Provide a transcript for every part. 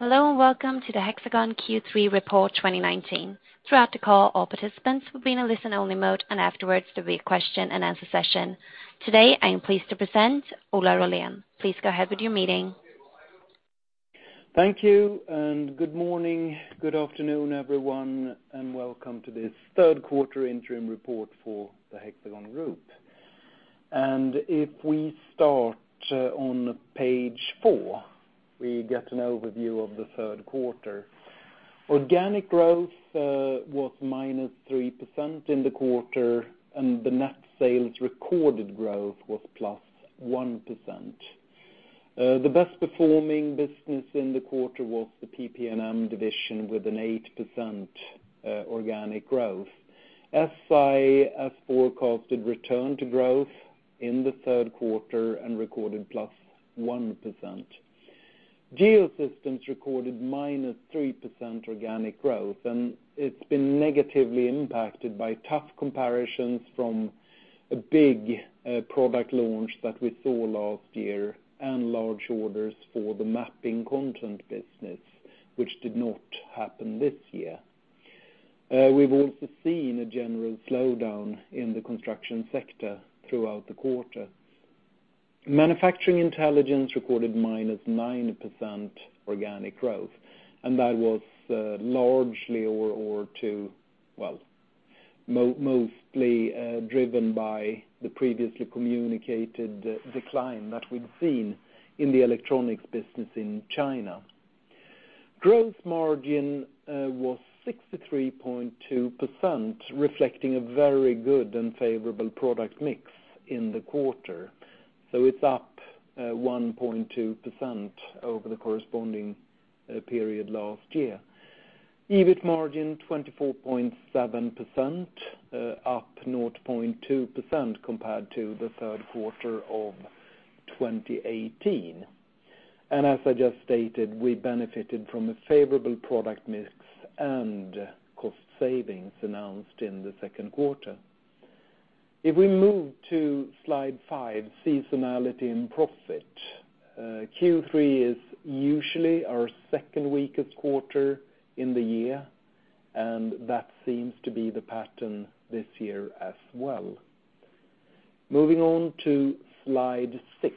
Hello, and welcome to the Hexagon Q3 report 2019. Throughout the call, all participants will be in a listen-only mode, and afterwards, there'll be a question and answer session. Today, I am pleased to present Ola Rollén. Please go ahead with your meeting. Thank you, and good morning. Good afternoon, everyone, and welcome to this third-quarter interim report for the Hexagon Group. If we start on page four, we get an overview of the third quarter. Organic growth was -3% in the quarter, and the net sales recorded growth was +1%. The best performing business in the quarter was the PP&M division with an 8% organic growth. SI, as forecasted, returned to growth in the third quarter and recorded +1%. Geosystems recorded -3% organic growth, and it's been negatively impacted by tough comparisons from a big product launch that we saw last year and large orders for the mapping content business, which did not happen this year. We've also seen a general slowdown in the construction sector throughout the quarter. Manufacturing Intelligence recorded -9% organic growth, that was largely mostly driven by the previously communicated decline that we'd seen in the electronics business in China. Gross margin was 63.2%, reflecting a very good and favorable product mix in the quarter, it's up 1.2% over the corresponding period last year. EBIT margin 24.7%, up 0.2% compared to the third quarter of 2018. As I just stated, we benefited from a favorable product mix and cost savings announced in the second quarter. If we move to slide five, seasonality and profit. Q3 is usually our second weakest quarter in the year, that seems to be the pattern this year as well. Moving on to slide six,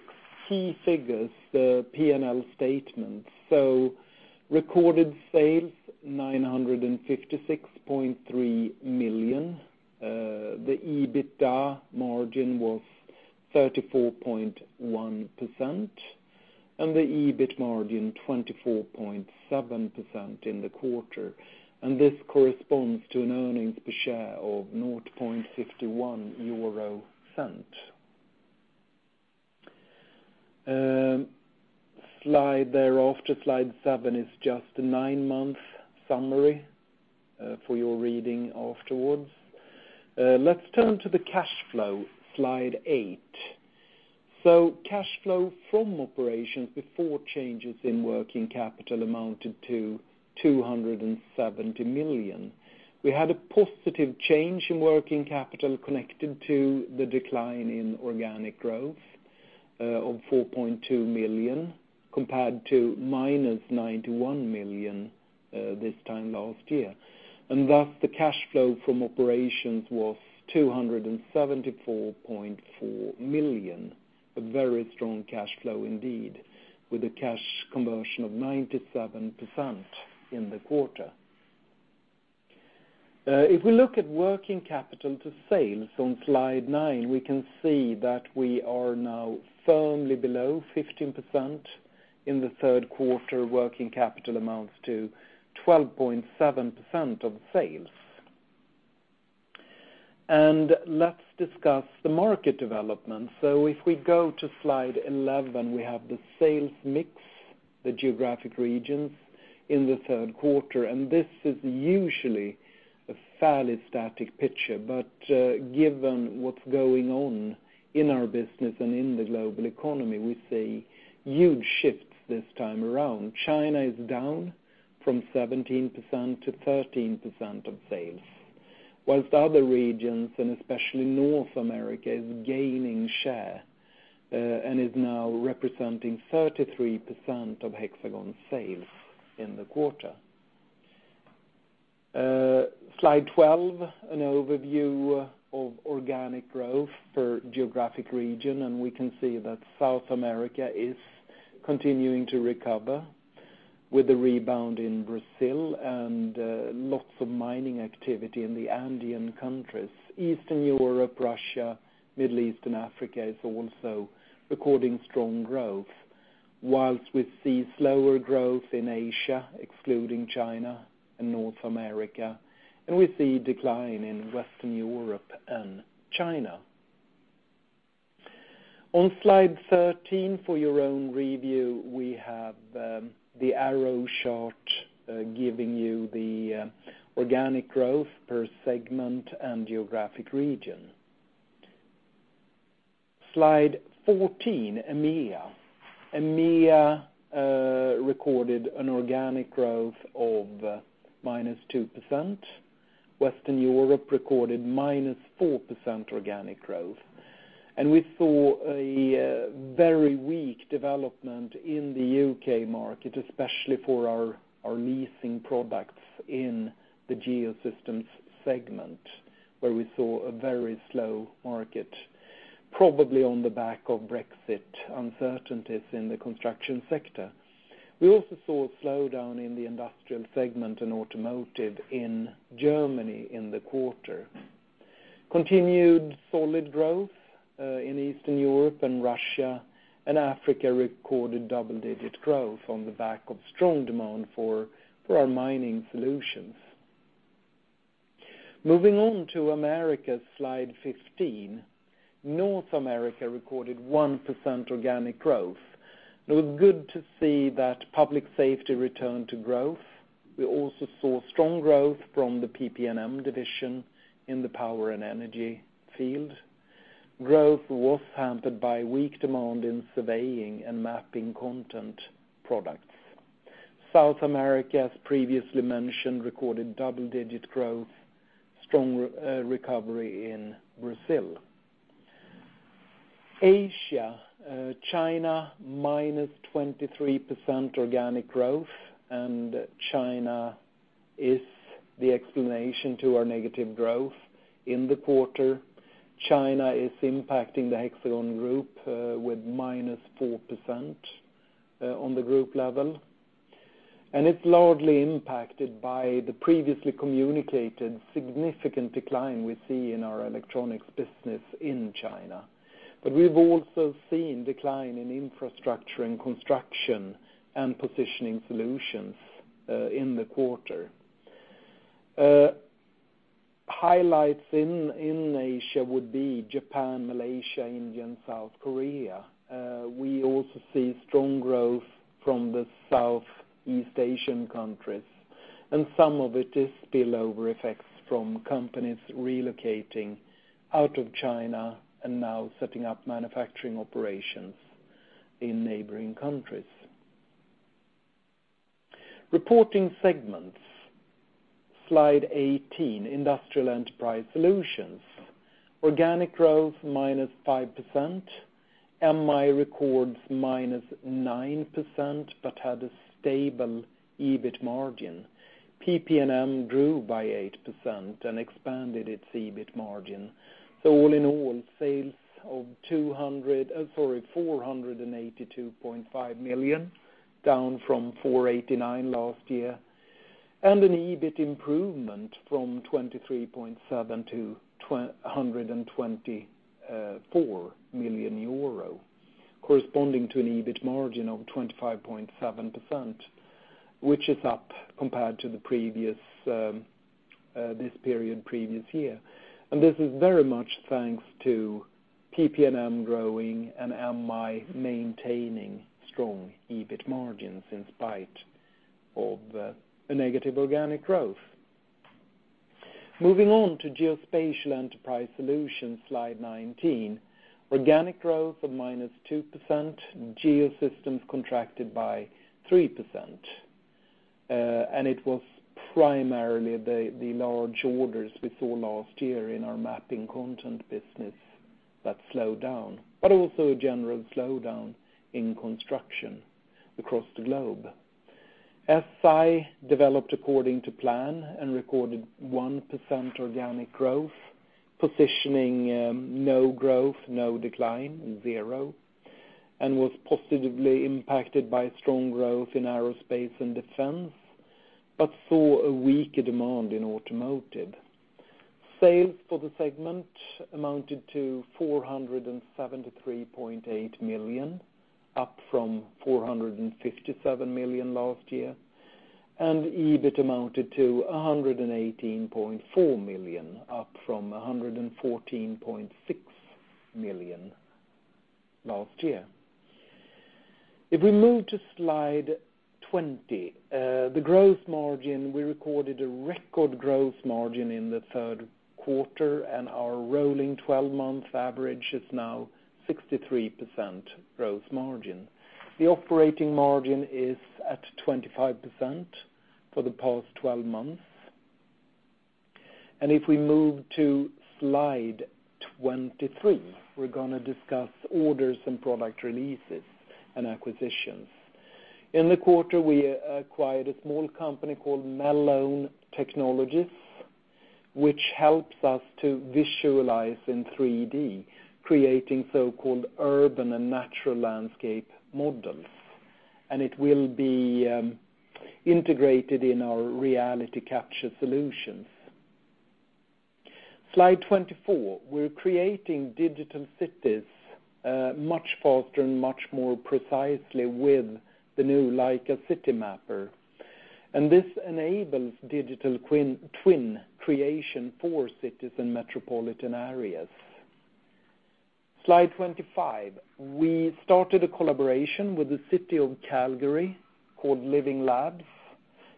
key figures, the P&L statement. Recorded sales, 956.3 million. The EBITDA margin was 34.1%, the EBIT margin 24.7% in the quarter. This corresponds to an earnings per share of 0.0051. Slide thereafter, slide seven, is just a nine-month summary for your reading afterwards. Let's turn to the cash flow, slide eight. Cash flow from operations before changes in working capital amounted to 270 million. We had a positive change in working capital connected to the decline in organic growth of 4.2 million, compared to minus 91 million this time last year. Thus, the cash flow from operations was 274.4 million, a very strong cash flow indeed, with a cash conversion of 97% in the quarter. If we look at working capital to sales on slide nine, we can see that we are now firmly below 15%. In the third quarter, working capital amounts to 12.7% of sales. Let's discuss the market development. If we go to slide 11, we have the sales mix, the geographic regions in the third quarter, and this is usually a fairly static picture. Given what's going on in our business and in the global economy, we see huge shifts this time around. China is down from 17% to 13% of sales, whilst other regions, and especially North America, is gaining share, and is now representing 33% of Hexagon sales in the quarter. Slide 12, an overview of organic growth for geographic region, and we can see that South America is continuing to recover with the rebound in Brazil and lots of mining activity in the Andean countries. Eastern Europe, Russia, Middle East, and Africa is also recording strong growth, whilst we see slower growth in Asia, excluding China and North America, and we see decline in Western Europe and China. On slide 13, for your own review, we have the arrow chart giving you the organic growth per segment and geographic region. Slide 14, EMEA. EMEA recorded an organic growth of minus 2%. Western Europe recorded minus 4% organic growth. We saw a very weak development in the U.K. market, especially for our leasing products in the Geosystems segment, where we saw a very slow market, probably on the back of Brexit uncertainties in the construction sector. We also saw a slowdown in the industrial segment and automotive in Germany in the quarter. Continued solid growth in Eastern Europe and Russia, and Africa recorded double-digit growth on the back of strong demand for our mining solutions. Moving on to Americas, slide 15. North America recorded 1% organic growth. It was good to see that public safety returned to growth. We also saw strong growth from the PP&M division in the power and energy field. Growth was hampered by weak demand in surveying and mapping content products. South America, as previously mentioned, recorded double-digit growth, strong recovery in Brazil. Asia, China, -23% organic growth, China is the explanation to our negative growth in the quarter. China is impacting the Hexagon Group with -4% on the group level. It's largely impacted by the previously communicated significant decline we see in our electronics business in China. We've also seen decline in infrastructure and construction and positioning solutions in the quarter. Highlights in Asia would be Japan, Malaysia, India, and South Korea. We also see strong growth from the Southeast Asian countries. Some of it is spillover effects from companies relocating out of China and now setting up manufacturing operations in neighboring countries. Reporting segments, slide 18, Industrial Enterprise Solutions. Organic growth -5%, MI records -9%, but had a stable EBIT margin. PP&M grew by 8% and expanded its EBIT margin. All in all, sales of 482.5 million, down from 489 million last year, and an EBIT improvement from 23.7 million to 124 million euro, corresponding to an EBIT margin of 25.7%, which is up compared to this period previous year. This is very much thanks to PP&M growing and MI maintaining strong EBIT margins in spite of a negative organic growth. Moving on to Geospatial Enterprise Solutions, slide 19. Organic growth of -2%, Geosystems contracted by 3%. It was primarily the large orders we saw last year in our mapping content business that slowed down, but also a general slowdown in construction across the globe. SI developed according to plan and recorded 1% organic growth, positioning no growth, no decline, zero, was positively impacted by strong growth in Aerospace and Defense, saw a weaker demand in automotive. Sales for the segment amounted to 473.8 million, up from 457 million last year. EBIT amounted to 118.4 million, up from 114.6 million last year. If we move to slide 20, the growth margin, we recorded a record growth margin in the third quarter. Our rolling 12-month average is now 63% growth margin. The operating margin is at 25% for the past 12 months. If we move to slide 23, we're going to discuss orders and product releases and acquisitions. In the quarter, we acquired a small company called Melown Technologies, which helps us to visualize in 3D, creating so-called urban and natural landscape models. It will be integrated in our reality capture solutions. Slide 24. We're creating digital cities much faster and much more precisely with the new Leica CityMapper. This enables digital twin creation for cities and metropolitan areas. Slide 25. We started a collaboration with the City of Calgary called Living Labs.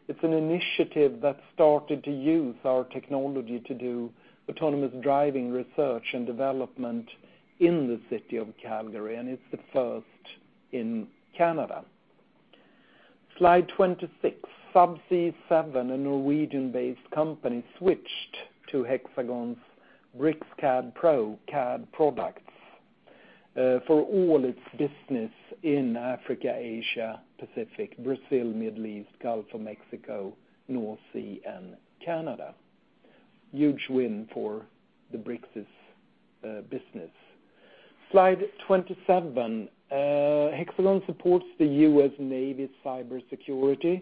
It's an initiative that started to use our technology to do autonomous driving research and development in the City of Calgary, and it's the first in Canada. Slide 26, Subsea7, a Norwegian-based company, switched to Hexagon's BricsCAD Pro CAD products for all its business in Africa, Asia, Pacific, Brazil, Middle East, Gulf of Mexico, North Sea, and Canada. Huge win for the Bricsys business. Slide 27. Hexagon supports the U.S. Navy's cybersecurity.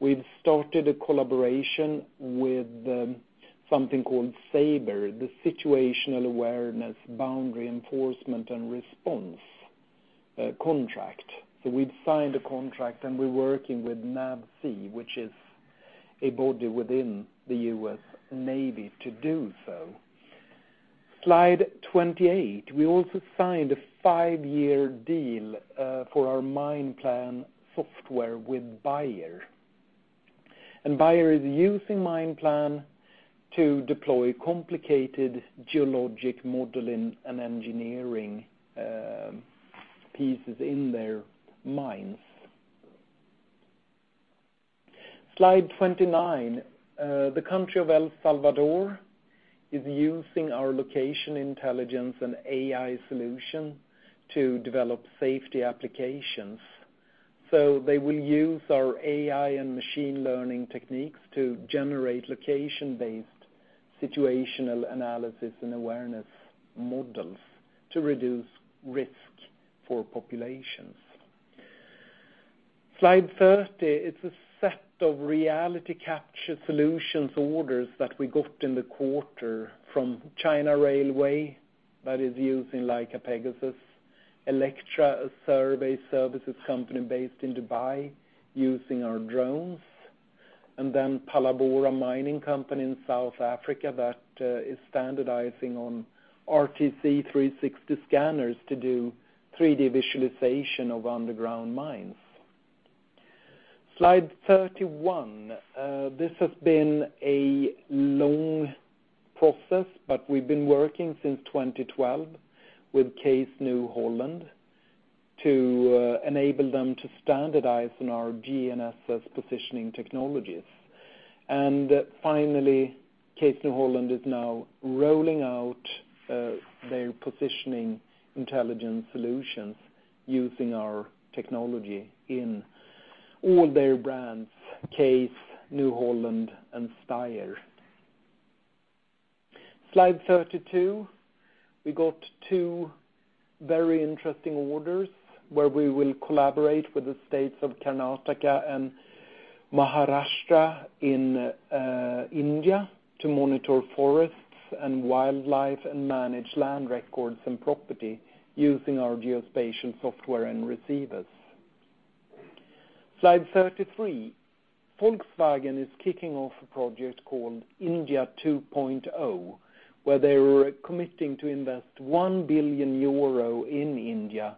We've started a collaboration with something called SABER, the Situational Awareness, Boundary Enforcement and Response contract. We've signed a contract, and we're working with NAVSEA, which is a body within the U.S. Navy, to do so. Slide 28. We also signed a five-year deal for our MinePlan software with Bayer. Bayer is using MinePlan to deploy complicated geologic modeling and engineering pieces in their mines. Slide 29. The country of El Salvador is using our location intelligence and AI solution to develop safety applications. They will use our AI and machine learning techniques to generate location-based situational analysis and awareness models to reduce risk for populations. Slide 30, it's a set of reality capture solutions orders that we got in the quarter from China Railway, that is using Leica Pegasus; Electra, a survey services company based in Dubai, using our drones; and then Palabora Mining Company in South Africa that is standardizing on RTC360 scanners to do 3D visualization of underground mines. Slide 31. This has been a long process, but we've been working since 2012 with Case New Holland to enable them to standardize on our GNSS positioning technologies. Finally, Case New Holland is now rolling out their positioning intelligence solutions using our technology in all their brands, Case, New Holland, and Steyr. Slide 32. We got two very interesting orders where we will collaborate with the states of Karnataka and Maharashtra in India to monitor forests and wildlife and manage land records and property using our geospatial software and receivers. Slide 33. Volkswagen is kicking off a project called India 2.0, where they're committing to invest 1 billion euro in India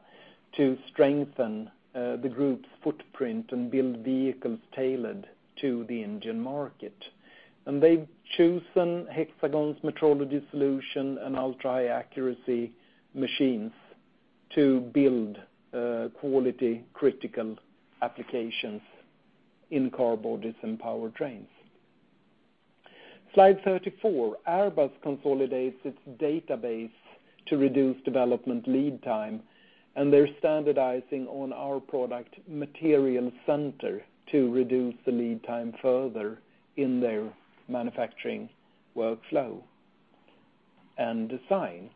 to strengthen the group's footprint and build vehicles tailored to the Indian market. They've chosen Hexagon's metrology solution and ultra-high accuracy machines to build quality-critical applications in car bodies and powertrains. Slide 34. Airbus consolidates its database to reduce development lead time. They're standardizing on our product MaterialCenter to reduce the lead time further in their manufacturing workflow and design.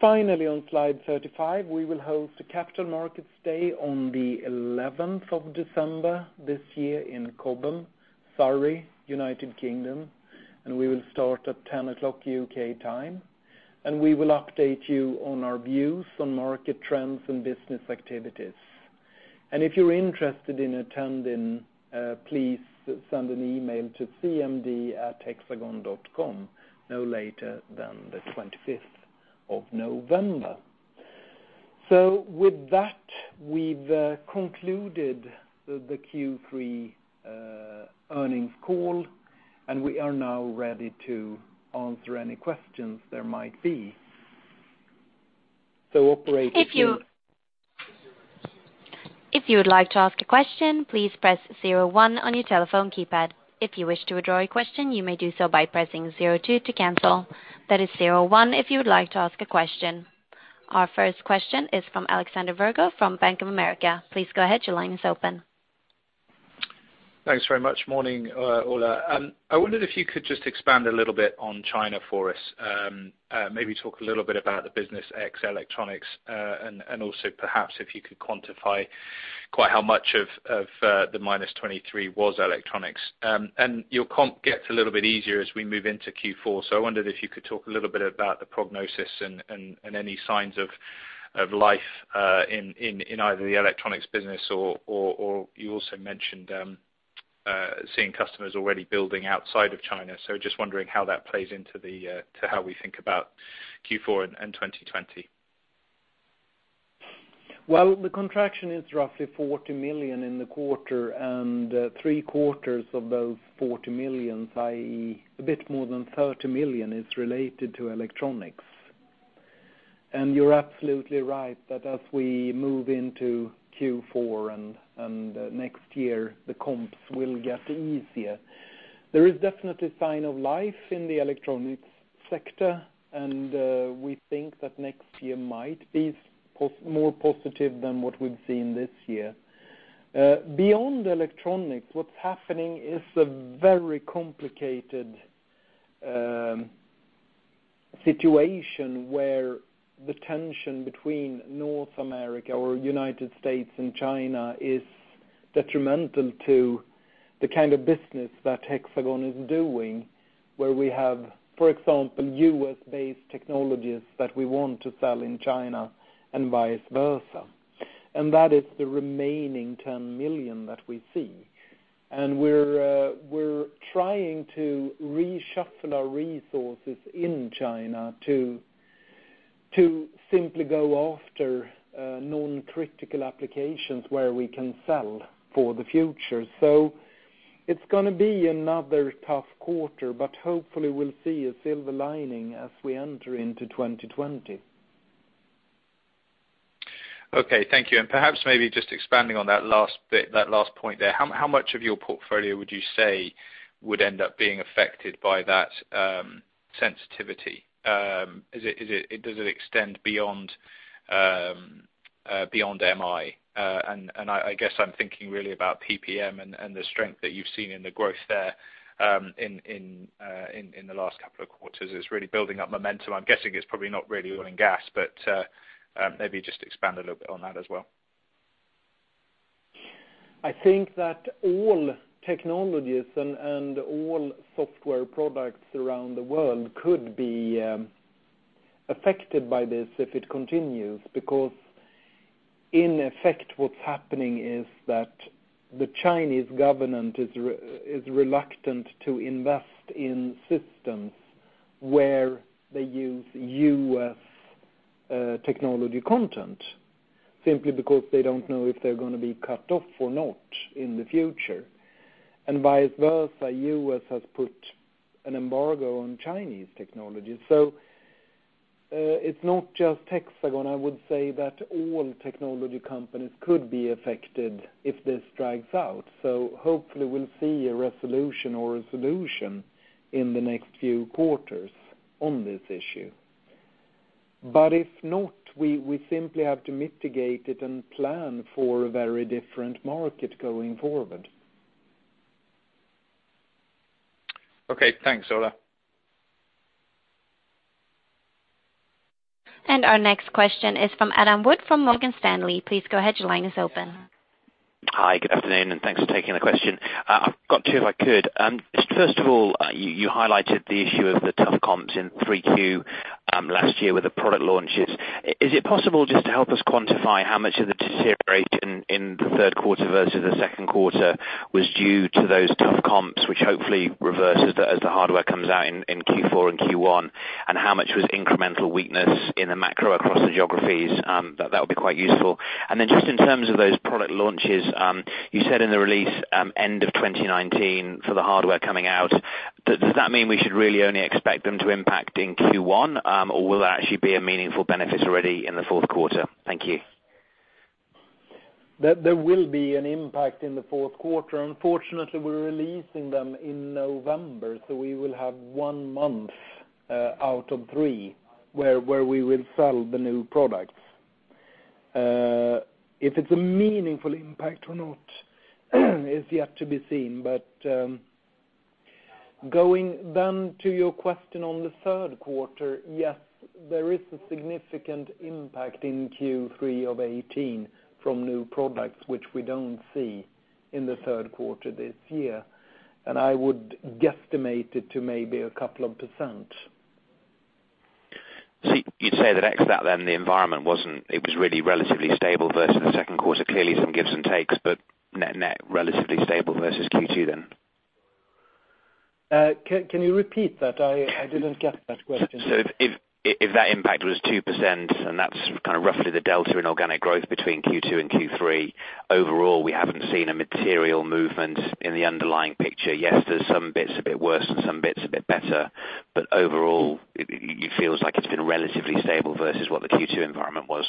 Finally, on slide 35, we will host a Capital Markets Day on the 11th of December this year in Cobham, Surrey, U.K. We will start at 10:00 A.M. UK time. We will update you on our views on market trends and business activities. If you're interested in attending, please send an email to cmd@hexagon.com no later than the 25th of November. With that, we've concluded the Q3 earnings call. We are now ready to answer any questions there might be. Operator- If you would like to ask a question, please press 01 on your telephone keypad. If you wish to withdraw your question, you may do so by pressing 02 to cancel. That is 01 if you would like to ask a question. Our first question is from Alexander Virgo from Bank of America. Please go ahead, your line is open. Thanks very much. Morning, Ola. I wondered if you could just expand a little bit on China for us. Maybe talk a little bit about the business ex electronics, and also perhaps if you could quantify quite how much of the -23 was electronics. Your comp gets a little bit easier as we move into Q4, so I wondered if you could talk a little bit about the prognosis and any signs of life in either the electronics business or you also mentioned seeing customers already building outside of China, so just wondering how that plays into how we think about Q4 and 2020. Well, the contraction is roughly 40 million in the quarter, and three-quarters of those 40 million, i.e., a bit more than 30 million, is related to electronics. You're absolutely right, that as we move into Q4 and next year, the comps will get easier. There is definitely sign of life in the electronics sector, and we think that next year might be more positive than what we've seen this year. Beyond electronics, what's happening is a very complicated situation where the tension between North America or United States and China is detrimental to the kind of business that Hexagon is doing, where we have, for example, U.S.-based technologies that we want to sell in China and vice versa. That is the remaining 10 million that we see. We're trying to reshuffle our resources in China to simply go after non-critical applications where we can sell for the future. It's going to be another tough quarter, but hopefully we'll see a silver lining as we enter into 2020. Okay. Thank you. Perhaps maybe just expanding on that last bit, that last point there, how much of your portfolio would you say would end up being affected by that sensitivity? Does it extend beyond MI? I guess I'm thinking really about PPM and the strength that you've seen in the growth there in the last couple of quarters. It's really building up momentum. I'm guessing it's probably not really oil and gas, but maybe just expand a little bit on that as well. I think that all technologies and all software products around the world could be affected by this if it continues, because in effect what's happening is that the Chinese government is reluctant to invest in systems where they use U.S. technology content, simply because they don't know if they're going to be cut off or not in the future. Vice versa, U.S. has put an embargo on Chinese technology. It's not just Hexagon. I would say that all technology companies could be affected if this drags out. Hopefully we'll see a resolution or a solution in the next few quarters on this issue. If not, we simply have to mitigate it and plan for a very different market going forward. Okay. Thanks, Ola. Our next question is from Adam Wood from Morgan Stanley. Please go ahead, your line is open. Hi, good afternoon, and thanks for taking the question. I've got two, if I could. First of all, you highlighted the issue of the tough comps in 3Q last year with the product launches. Is it possible just to help us quantify how much of the deteriorate in the third quarter versus the second quarter was due to those tough comps, which hopefully reverses as the hardware comes out in Q4 and Q1, and how much was incremental weakness in the macro across the geographies? That would be quite useful. Then just in terms of those product launches, you said in the release, end of 2019 for the hardware coming out. Does that mean we should really only expect them to impact in Q1, or will there actually be a meaningful benefit already in the fourth quarter? Thank you. There will be an impact in the fourth quarter. Unfortunately, we're releasing them in November, so we will have one month out of three where we will sell the new products. If it's a meaningful impact or not, is yet to be seen. Going then to your question on the third quarter, yes, there is a significant impact in Q3 of 2018 from new products, which we don't see in the third quarter this year. I would guesstimate it to maybe a couple of %. You'd say that the environment was really relatively stable versus the second quarter. Clearly some gives and takes, but net, relatively stable versus Q2 then? Can you repeat that? I didn't get that question. If that impact was 2%, and that's roughly the delta in organic growth between Q2 and Q3, overall we haven't seen a material movement in the underlying picture. Yes, there's some bits a bit worse and some bits a bit better, but overall it feels like it's been relatively stable versus what the Q2 environment was.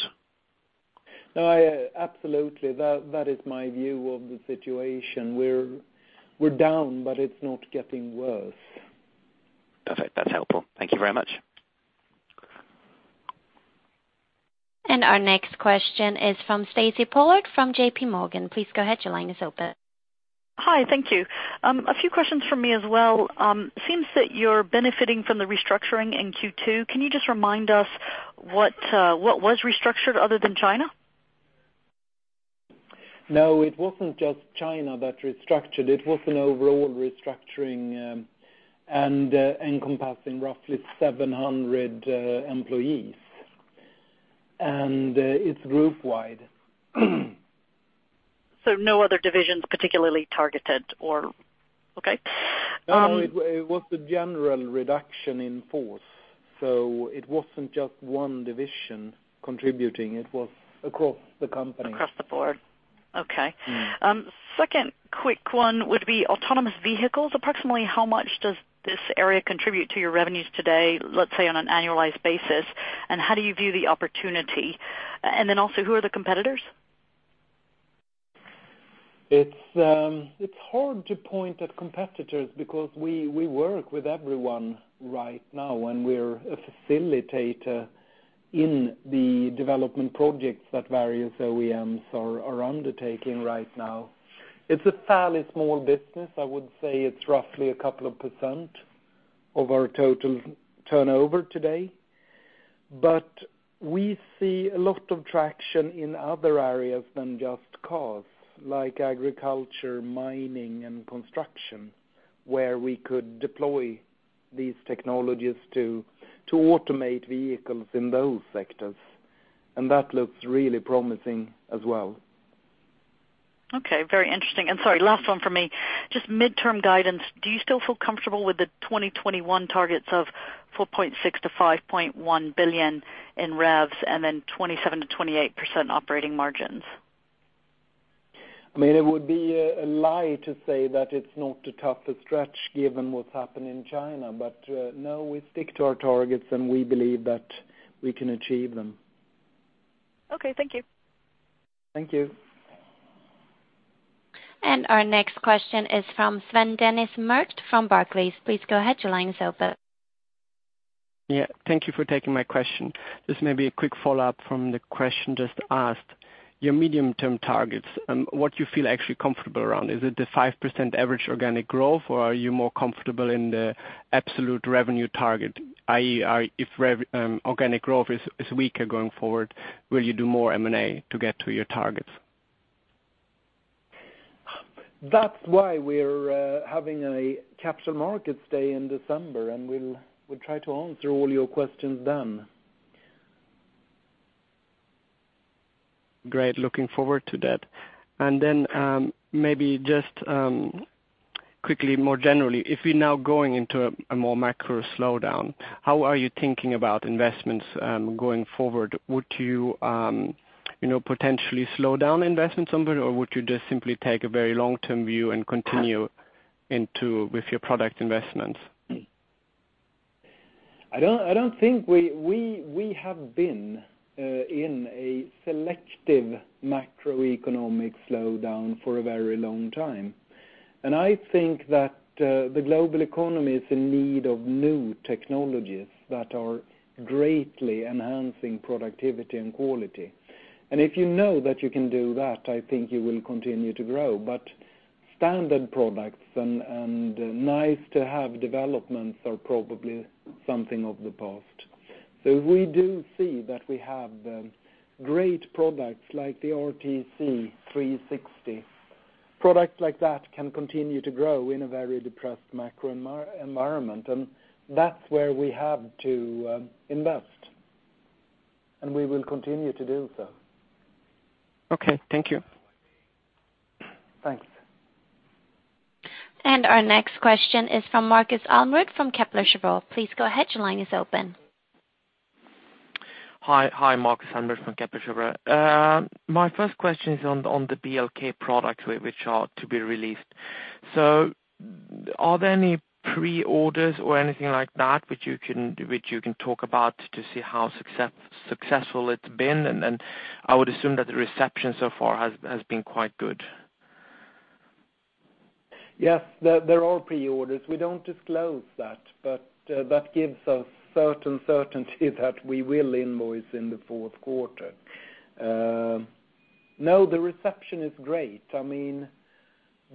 No, absolutely. That is my view of the situation. We're down, but it's not getting worse. Perfect. That's helpful. Thank you very much. Our next question is from Stacy Pollard from J.P. Morgan. Please go ahead. Your line is open. Hi. Thank you. A few questions from me as well. Seems that you're benefiting from the restructuring in Q2. Can you just remind us what was restructured other than China? No, it wasn't just China that restructured. It was an overall restructuring, and encompassing roughly 700 employees. It's group wide. No other divisions particularly targeted or Okay? No, it was a general reduction in force. It wasn't just one division contributing, it was across the company. Across the board. Okay. Second quick one would be autonomous vehicles. Approximately how much does this area contribute to your revenues today, let's say, on an annualized basis? How do you view the opportunity? Who are the competitors? It's hard to point at competitors because we work with everyone right now, and we're a facilitator in the development projects that various OEMs are undertaking right now. It's a fairly small business. I would say it's roughly a couple of % of our total turnover today. We see a lot of traction in other areas than just cars, like agriculture, mining, and construction, where we could deploy these technologies to automate vehicles in those sectors, and that looks really promising as well. Okay. Very interesting. Sorry, last one from me, just midterm guidance. Do you still feel comfortable with the 2021 targets of 4.6 billion to 5.1 billion in revs and then 27%-28% operating margins? It would be a lie to say that it's not a tougher stretch given what's happened in China. No, we stick to our targets, and we believe that we can achieve them. Okay. Thank you. Thank you. Our next question is from Sven Dennis Merkt from Barclays. Please go ahead. Your line is open. Yeah. Thank you for taking my question. This may be a quick follow-up from the question just asked. Your medium-term targets, what you feel actually comfortable around, is it the 5% average organic growth, or are you more comfortable in the absolute revenue target, i.e., if organic growth is weaker going forward, will you do more M&A to get to your targets? That's why we're having a capital markets day in December, and we'll try to answer all your questions then. Great. Looking forward to that. Then maybe just quickly, more generally, if we're now going into a more macro slowdown, how are you thinking about investments going forward? Would you potentially slow down investments somewhat, or would you just simply take a very long-term view and continue with your product investments? We have been in a selective macroeconomic slowdown for a very long time, and I think that the global economy is in need of new technologies that are greatly enhancing productivity and quality. If you know that you can do that, I think you will continue to grow. Standard products and nice-to-have developments are probably something of the past. We do see that we have great products like the RTC360. Products like that can continue to grow in a very depressed macro environment, and that's where we have to invest, and we will continue to do so. Okay. Thank you. Thanks. Our next question is from Markus Almerud from Kepler Cheuvreux. Please go ahead. Your line is open. Hi, Markus Almerud from Kepler Cheuvreux. My first question is on the BLK products which are to be released. Are there any pre-orders or anything like that which you can talk about to see how successful it's been? I would assume that the reception so far has been quite good. Yes, there are pre-orders. We don't disclose that, but that gives us certain certainty that we will invoice in the fourth quarter. No, the reception is great. The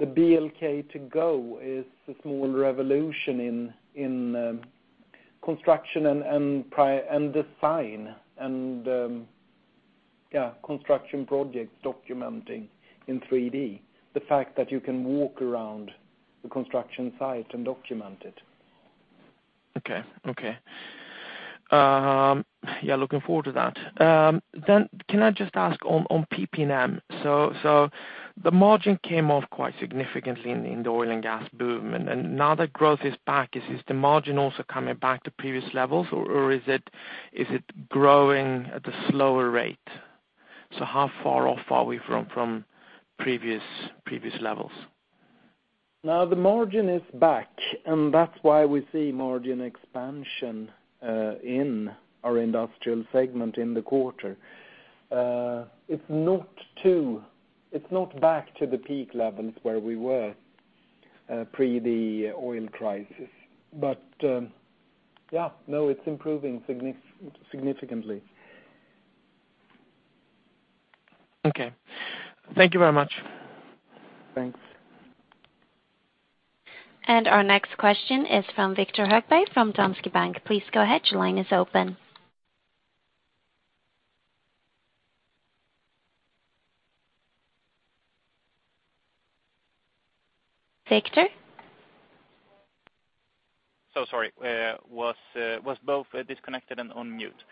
BLK2GO is a small revolution in construction and design, and construction project documenting in 3D, the fact that you can walk around the construction site and document it. Okay. Looking forward to that. Can I just ask on PP&M? The margin came off quite significantly in the oil and gas boom, and now that growth is back, is the margin also coming back to previous levels, or is it growing at a slower rate? How far off are we from previous levels? Now the margin is back, and that's why we see margin expansion in our industrial segment in the quarter. It's not back to the peak levels where we were pre the oil crisis. No, it's improving significantly. Okay. Thank you very much. Thanks. Our next question is from Viktor Hökberg from Danske Bank. Please go ahead. Your line is open. Viktor? Sorry. Was both disconnected and on mute.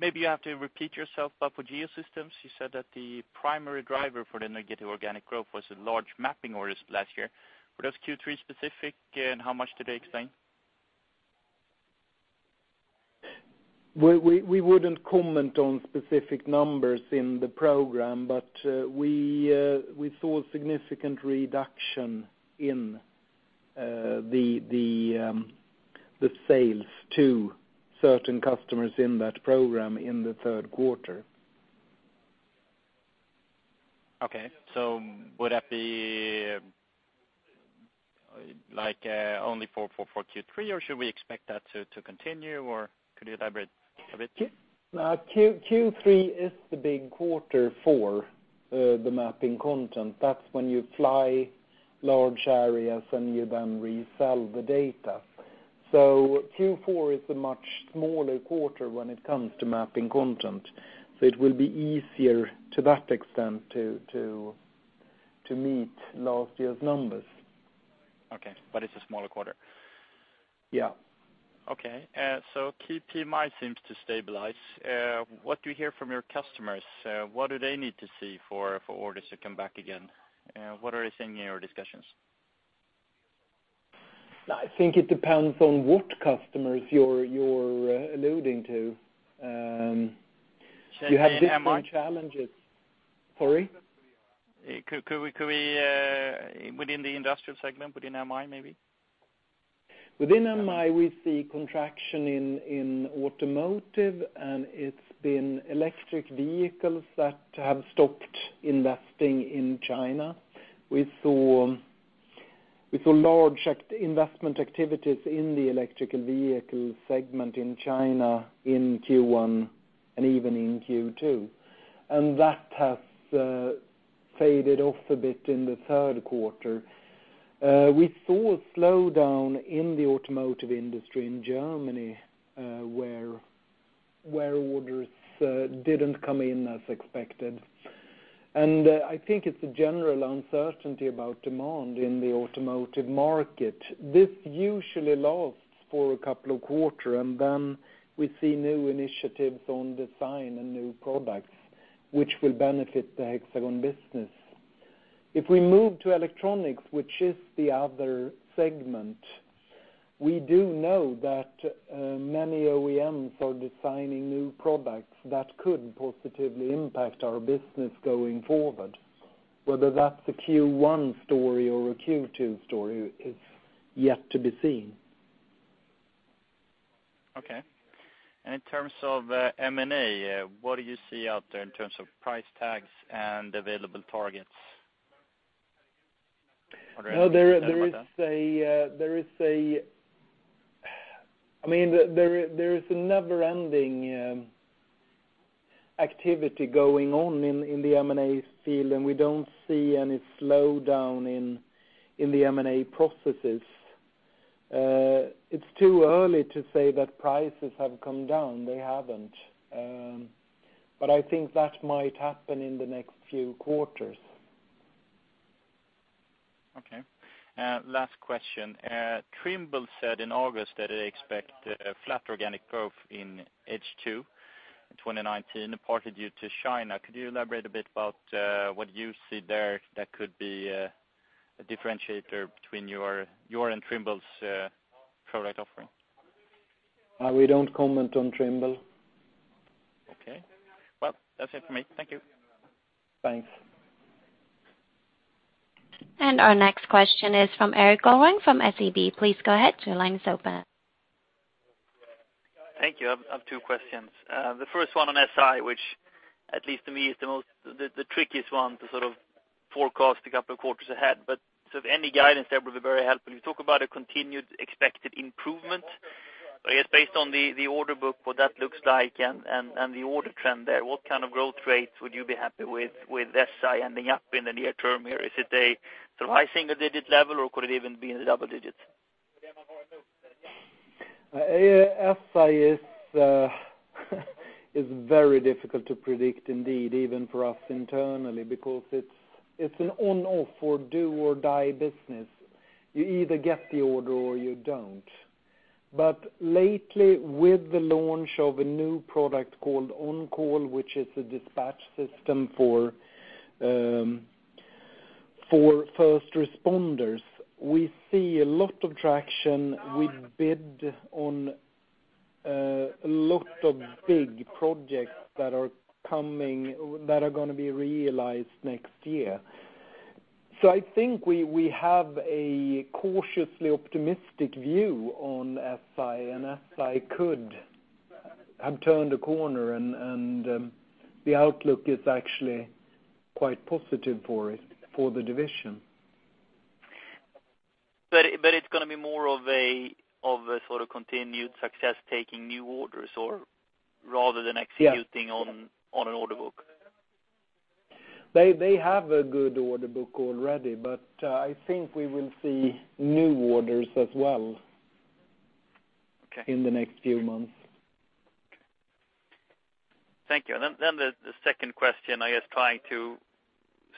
Maybe you have to repeat yourself, but for Geosystems, you said that the primary driver for the negative organic growth was the large mapping orders last year. Were those Q3 specific, and how much do they explain? We wouldn't comment on specific numbers in the program, we saw a significant reduction in the sales to certain customers in that program in the third quarter. Okay. Would that be only for Q3, or should we expect that to continue, or could you elaborate a bit? Q3 is the big quarter for the mapping content. That's when you fly large areas and you then resell the data. Q4 is a much smaller quarter when it comes to mapping content. It will be easier to that extent to meet last year's numbers. Okay, but it's a smaller quarter. Yeah. PMI seems to stabilize. What do you hear from your customers? What do they need to see for orders to come back again? What are they saying in your discussions? I think it depends on what customers you're alluding to. You have different challenges. Sorry? Within the industrial segment, within MI, maybe. Within MI, we see contraction in automotive, and it's been electric vehicles that have stopped investing in China. We saw large investment activities in the electrical vehicle segment in China in Q1 and even in Q2, and that has faded off a bit in the third quarter. We saw a slowdown in the automotive industry in Germany, where orders didn't come in as expected, and I think it's a general uncertainty about demand in the automotive market. This usually lasts for a couple of quarters, and then we see new initiatives on design and new products, which will benefit the Hexagon business. If we move to electronics, which is the other segment, we do know that many OEMs are designing new products that could positively impact our business going forward. Whether that's a Q1 story or a Q2 story is yet to be seen. Okay. In terms of M&A, what do you see out there in terms of price tags and available targets? There is a never-ending activity going on in the M&A field, and we don't see any slowdown in the M&A processes. It's too early to say that prices have come down. They haven't. I think that might happen in the next few quarters. Okay. Last question. Trimble said in August that they expect a flat organic growth in H2 2019, partly due to China. Could you elaborate a bit about what you see there that could be a differentiator between your and Trimble's product offering? We don't comment on Trimble. Okay. That's it for me. Thank you. Thanks. Our next question is from Erik Golrang from SEB. Please go ahead, your line is open. Thank you. I have two questions. The first one on SI, which at least to me is the trickiest one to forecast a couple of quarters ahead, but any guidance there will be very helpful. You talk about a continued expected improvement, but based on the order book, what that looks like and the order trend there, what kind of growth rates would you be happy with SI ending up in the near term here? Is it a rising digit level, or could it even be in the double digits? SI is very difficult to predict indeed, even for us internally, because it's an on/off or do or die business. You either get the order, or you don't. Lately, with the launch of a new product called OnCall, which is a dispatch system for first responders, we see a lot of traction. We bid on a lot of big projects that are going to be realized next year. I think we have a cautiously optimistic view on SI, and SI could have turned a corner, and the outlook is actually quite positive for it, for the division. It's going to be more of a continued success taking new orders rather than executing on an order book. They have a good order book already. I think we will see new orders as well in the next few months. Thank you. The second question, trying to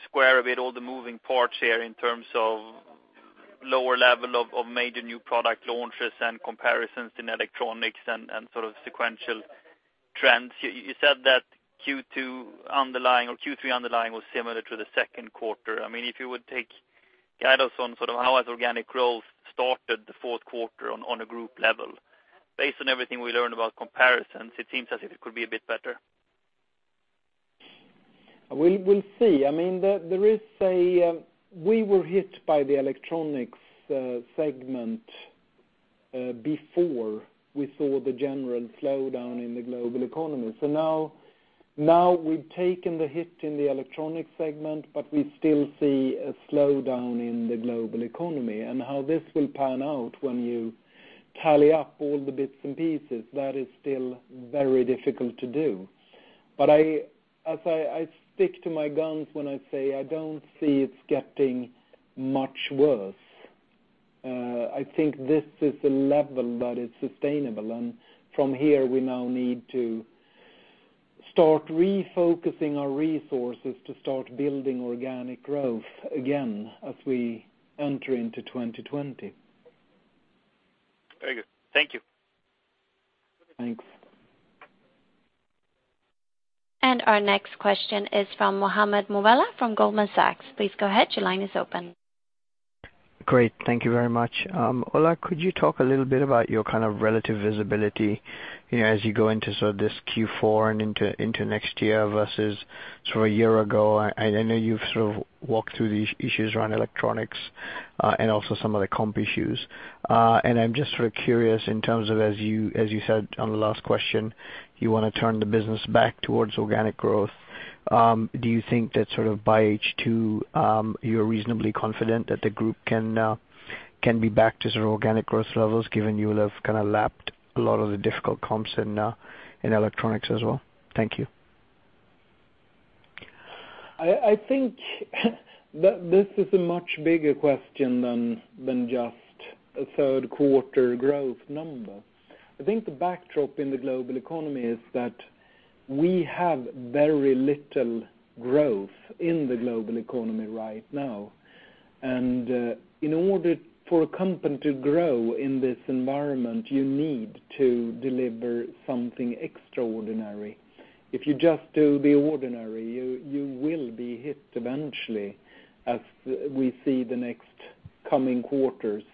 square a bit all the moving parts here in terms of lower level of major new product launches and comparisons in electronics and sequential trends. You said that Q2 underlying, or Q3 underlying was similar to the second quarter. If you would guide us on sort of how has organic growth started the fourth quarter on a group level? Based on everything we learned about comparisons, it seems as if it could be a bit better. We'll see. We were hit by the electronics segment before we saw the general slowdown in the global economy. Now we've taken the hit in the electronics segment, but we still see a slowdown in the global economy and how this will pan out when you tally up all the bits and pieces, that is still very difficult to do. I stick to my guns when I say I don't see it getting much worse. I think this is a level that is sustainable, and from here, we now need to start refocusing our resources to start building organic growth again as we enter into 2020. Very good. Thank you. Thanks. Our next question is from Mohammed Moawalla from Goldman Sachs. Please go ahead. Your line is open. Great. Thank you very much. Ola, could you talk a little bit about your kind of relative visibility, as you go into sort of this Q4 and into next year versus sort of a year ago? I know you've sort of walked through these issues around electronics, and also some of the comp issues. I'm just sort of curious in terms of, as you said on the last question, you want to turn the business back towards organic growth. Do you think that sort of by H2, you're reasonably confident that the group can be back to sort of organic growth levels given you'll have kind of lapped a lot of the difficult comps in electronics as well? Thank you. I think this is a much bigger question than just a third quarter growth number. I think the backdrop in the global economy is that we have very little growth in the global economy right now, and in order for a company to grow in this environment, you need to deliver something extraordinary. If you just do the ordinary, you will be hit eventually as we see the next coming quarters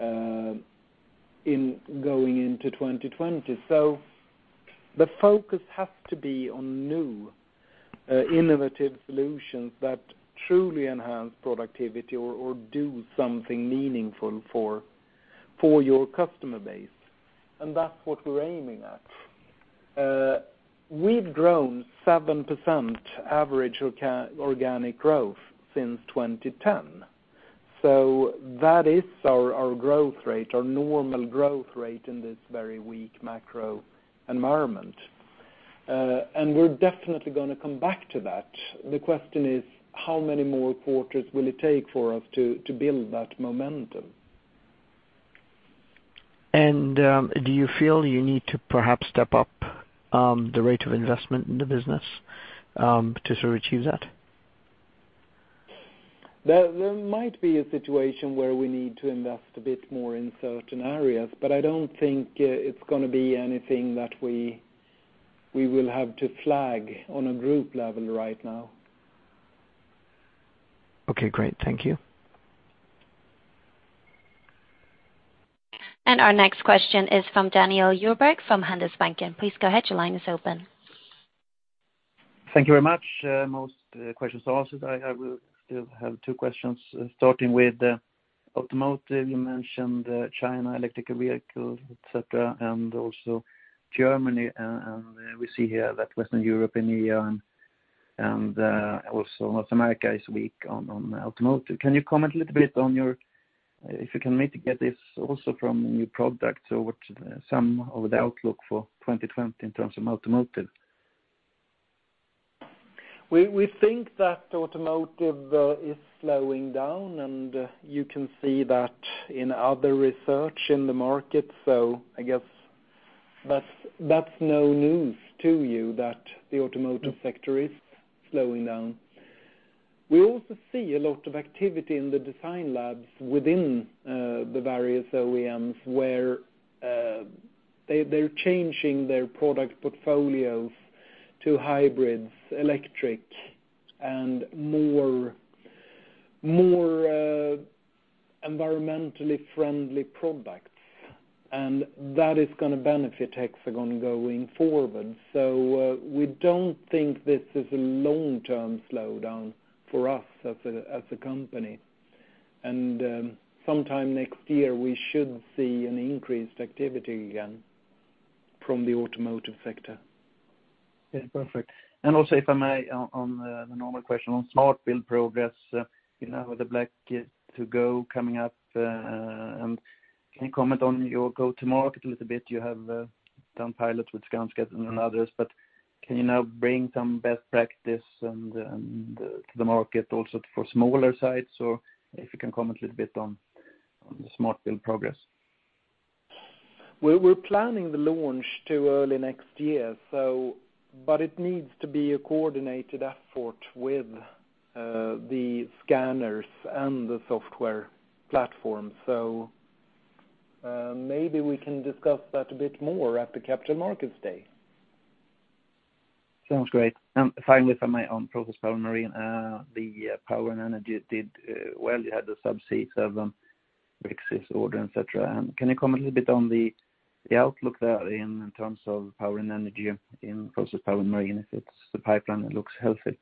in going into 2020. The focus has to be on new, innovative solutions that truly enhance productivity or do something meaningful for your customer base. That's what we're aiming at. We've grown 7% average organic growth since 2010. That is our growth rate, our normal growth rate in this very weak macro environment. We're definitely going to come back to that. The question is how many more quarters will it take for us to build that momentum? Do you feel you need to perhaps step up the rate of investment in the business, to sort of achieve that? There might be a situation where we need to invest a bit more in certain areas, but I don't think it's going to be anything that we will have to flag on a group level right now. Okay, great. Thank you. Our next question is from Daniel Djurberg, from Handelsbanken. Please go ahead. Your line is open. Thank you very much. Most questions are answered. I have two questions starting with automotive. You mentioned China, electrical vehicles, et cetera, and also Germany. We see here that Western European and also North America is weak on automotive. Can you comment a little bit on your, if you can maybe get this also from new products or what some of the outlook for 2020 in terms of automotive? We think that automotive is slowing down, and you can see that in other research in the market. I guess that's no news to you that the automotive sector is slowing down. We also see a lot of activity in the design labs within the various OEMs, where they're changing their product portfolios to hybrids, electric, and more environmentally friendly products. That is going to benefit Hexagon going forward. We don't think this is a long-term slowdown for us as a company. Sometime next year, we should see an increased activity again from the automotive sector. Yeah. Perfect. Also, if I may, on the normal question on Smart Build progress, with the BLK2GO coming up, can you comment on your go-to-market a little bit? You have done pilots with Skanska and others. Can you now bring some best practice and the market also for smaller sites, or if you can comment a little bit on the Smart Build progress? We're planning the launch to early next year, but it needs to be a coordinated effort with the scanners and the software platform. Maybe we can discuss that a bit more at the Capital Markets Day. Sounds great. Finally, for my own Process, Power & Marine, the power and energy did well. You had the subsea, some big sales order, et cetera. Can you comment a little bit on the outlook there in terms of power and energy in Process, Power & Marine, if the pipeline looks healthy?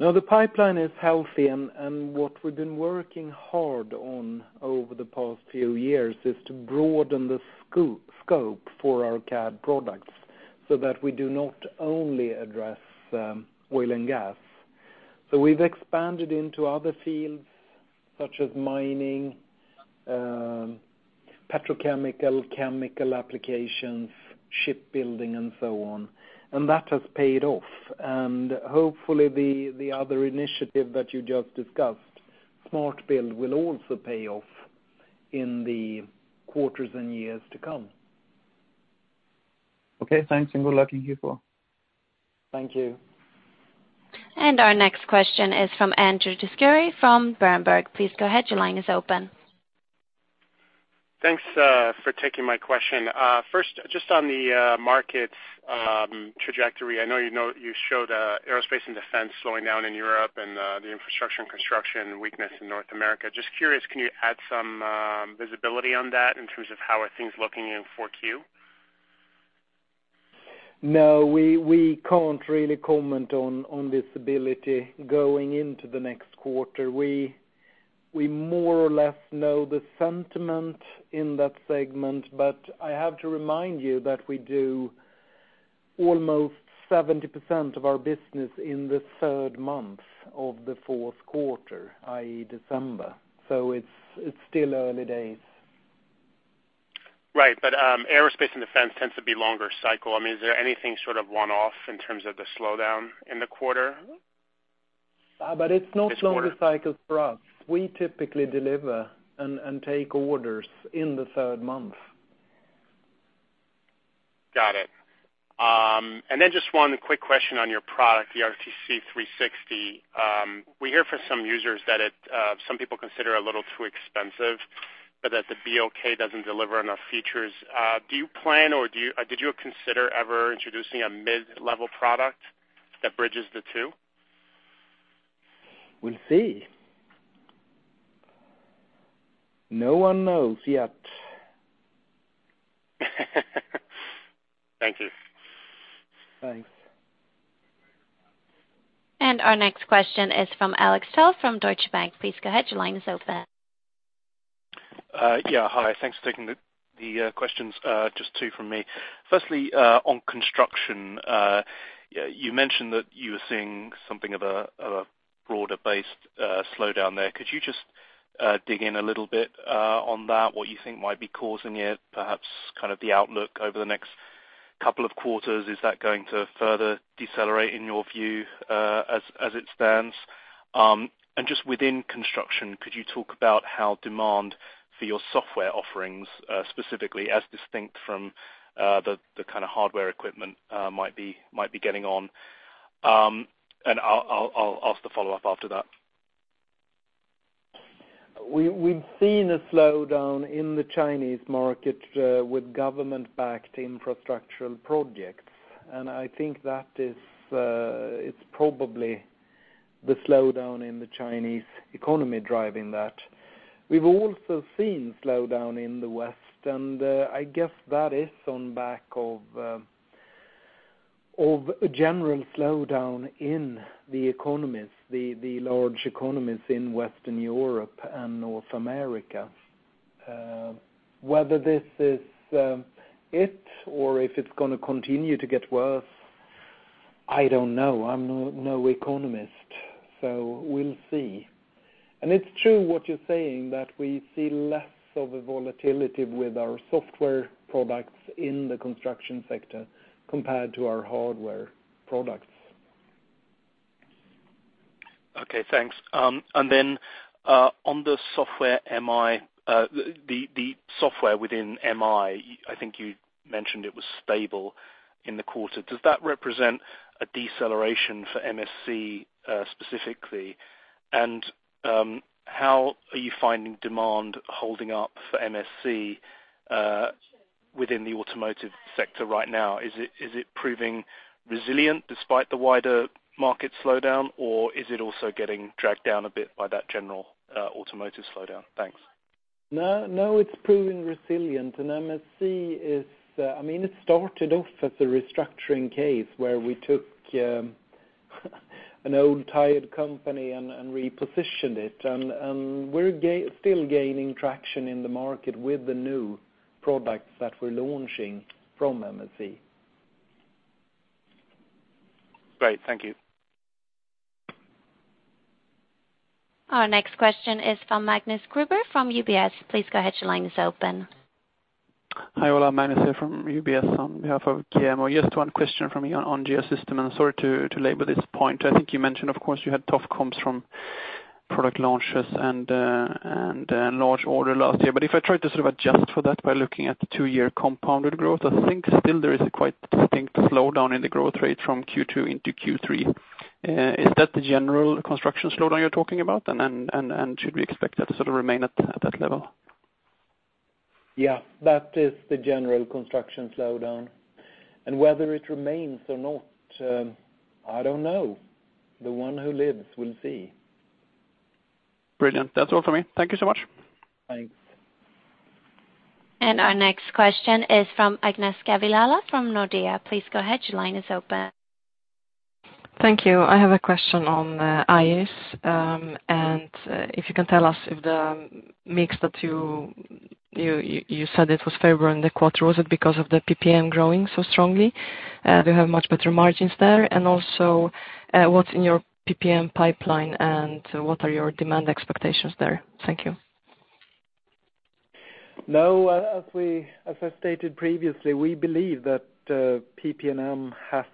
Now the pipeline is healthy, what we've been working hard on over the past few years is to broaden the scope for our CAD products so that we do not only address oil and gas. We've expanded into other fields such as mining, petrochemical, chemical applications, shipbuilding and so on, and that has paid off. Hopefully the other initiative that you just discussed, SMART Build, will also pay off in the quarters and years to come. Okay, thanks. Good luck in Q4. Thank you. Our next question is from Andrew Fisher from Berenberg. Please go ahead. Your line is open. Thanks for taking my question. First, just on the markets trajectory, I know you showed aerospace and defense slowing down in Europe and the infrastructure and construction weakness in North America. Just curious, can you add some visibility on that in terms of how are things looking in 4Q? No, we can't really comment on visibility going into the next quarter. We more or less know the sentiment in that segment, but I have to remind you that we do almost 70% of our business in the third month of the fourth quarter, i.e., December. It's still early days. Right. Aerospace and defense tends to be longer cycle. Is there anything sort of one-off in terms of the slowdown in the quarter? It's not longer cycle for us. We typically deliver and take orders in the third month. Got it. Just one quick question on your product, the RTC360. We hear from some users that some people consider it a little too expensive, but that the BLK doesn't deliver enough features. Do you plan or did you consider ever introducing a mid-level product that bridges the two? We'll see. No one knows yet. Thank you. Thanks. Our next question is from Alex Fell from Deutsche Bank. Please go ahead, your line is open. Yeah. Hi. Thanks for taking the questions. Just two from me. Firstly, on construction, you mentioned that you were seeing something of a broader-based slowdown there. Could you just dig in a little bit on that, what you think might be causing it, perhaps kind of the outlook over the next couple of quarters? Is that going to further decelerate in your view as it stands? Just within construction, could you talk about how demand for your software offerings, specifically as distinct from the kind of hardware equipment might be getting on? I'll ask the follow-up after that. We've seen a slowdown in the Chinese market with government-backed infrastructural projects, and I think that it's probably the slowdown in the Chinese economy driving that. We've also seen slowdown in the West, and I guess that is on back of a general slowdown in the large economies in Western Europe and North America. Whether this is it or if it's going to continue to get worse, I don't know. I'm no economist, we'll see. It's true what you're saying that we see less of a volatility with our software products in the construction sector compared to our hardware products. Okay, thanks. On the software within MI, I think you mentioned it was stable in the quarter. Does that represent a deceleration for MSC specifically? How are you finding demand holding up for MSC within the automotive sector right now? Is it proving resilient despite the wider market slowdown, or is it also getting dragged down a bit by that general automotive slowdown? Thanks. No, it's proving resilient. MSC started off as a restructuring case where we took an old, tired company and repositioned it. We're still gaining traction in the market with the new products that we're launching from MSC. Great. Thank you. Our next question is from Magnus Kruber from UBS. Please go ahead. Your line is open. Hi, Ola. Magnus here from UBS on behalf of GMO. Just one question from me on Geosystems, sorry to labor this point. I think you mentioned, of course, you had tough comps from product launches and large order last year. If I try to sort of adjust for that by looking at the two-year compounded growth, I think still there is a quite distinct slowdown in the growth rate from Q2 into Q3. Is that the general construction slowdown you're talking about? Should we expect that to sort of remain at that level? Yes, that is the general construction slowdown. Whether it remains or not, I don't know. The one who lives will see. Brilliant. That's all for me. Thank you so much. Thanks. Our next question is from Agnieszka Vilela from Nordea. Please go ahead. Your line is open. Thank you. I have a question on IES, and if you can tell us if the mix that you said it was favorable in the quarter, was it because of the PP&M growing so strongly? Do you have much better margins there? Also, what's in your PP&M pipeline and what are your demand expectations there? Thank you. No. As I stated previously, we believe that PP&M has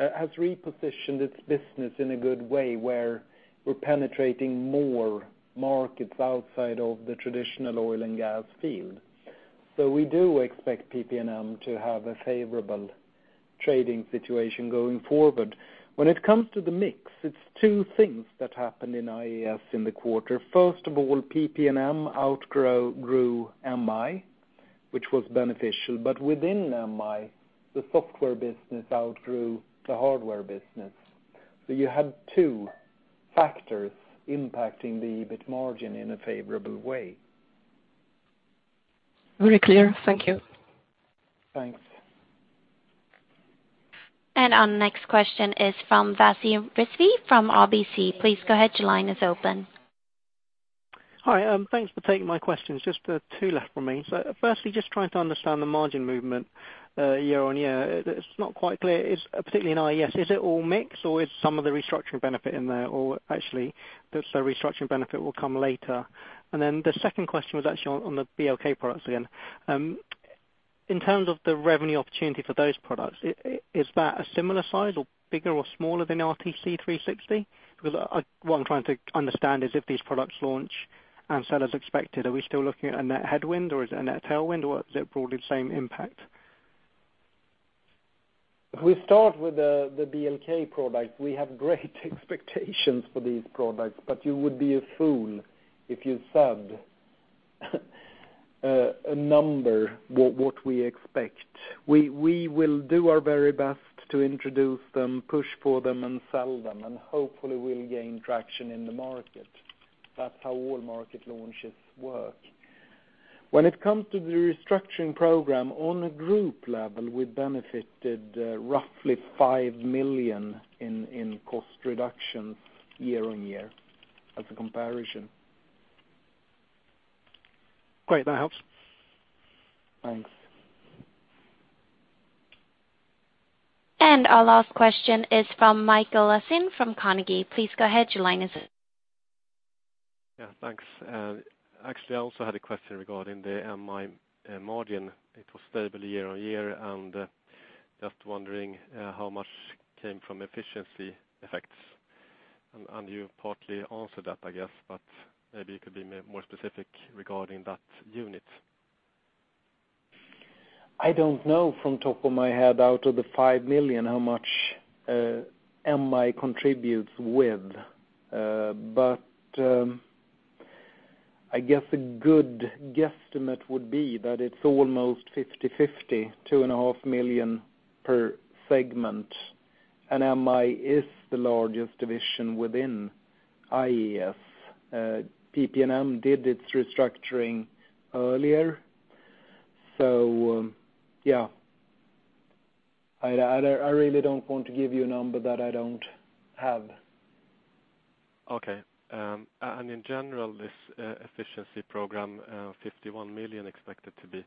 repositioned its business in a good way where we're penetrating more markets outside of the traditional oil and gas field. We do expect PP&M to have a favorable trading situation going forward. When it comes to the mix, it's two things that happened in IES in the quarter. First of all, PP&M outgrew MI, which was beneficial. Within MI, the software business outgrew the hardware business. You had two factors impacting the EBIT margin in a favorable way. Very clear. Thank you. Thanks. Our next question is from Vasu Rizvi from RBC. Please go ahead. Your line is open. Hi, thanks for taking my questions. Just two left from me. Firstly, just trying to understand the margin movement year-on-year. It's not quite clear, particularly in IES. Is it all mix or is some of the restructuring benefit in there? Actually, the restructuring benefit will come later? The second question was actually on the BLK products again. In terms of the revenue opportunity for those products, is that a similar size or bigger or smaller than RTC360? Because what I'm trying to understand is if these products launch and sell as expected, are we still looking at a net headwind or is it a net tailwind or is it broadly the same impact? We start with the BLK product. We have great expectations for these products, but you would be a fool if you said a number what we expect. We will do our very best to introduce them, push for them and sell them, and hopefully we'll gain traction in the market. That's how all market launches work. When it comes to the restructuring program on a group level, we benefited roughly 5 million in cost reductions year-on-year as a comparison. Great. That helps. Thanks. Our last question is from Mikael Laséen from Carnegie. Please go ahead. Your line is open. Yeah, thanks. Actually, I also had a question regarding the MI margin. It was stable year-on-year, and just wondering how much came from efficiency effects. You partly answered that I guess, but maybe you could be more specific regarding that unit. I don't know from top of my head out of the 5 million how much MI contributes with. I guess a good guesstimate would be that it's almost 50/50, two and a half million per segment, and MI is the largest division within IES. PP&M did its restructuring earlier. Yeah. I really don't want to give you a number that I don't have. Okay. In general, this efficiency program, 51 million expected to be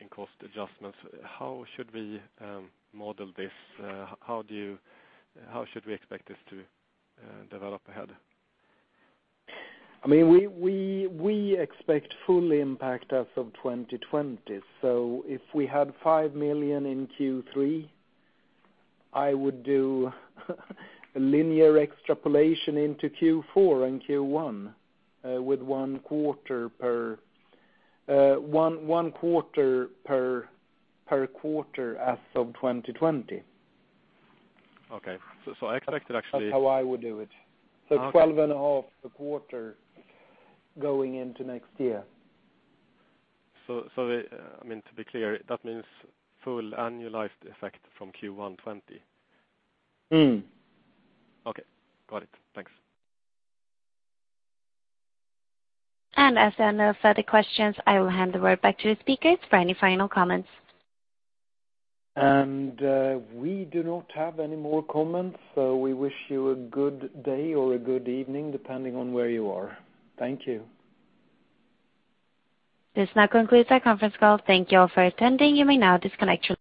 in cost adjustments. How should we model this? How should we expect this to develop ahead? We expect full impact as of 2020. If we had 5 million in Q3, I would do a linear extrapolation into Q4 and Q1, with one quarter per quarter as of 2020. Okay, I expect it. That's how I would do it. Okay. 12 and a half per quarter going into next year. To be clear, that means full annualized effect from Q1 2020? Okay, got it. Thanks. As there are no further questions, I will hand the word back to the speakers for any final comments. We do not have any more comments, so we wish you a good day or a good evening, depending on where you are. Thank you. This now concludes our conference call. Thank you all for attending. You may now disconnect.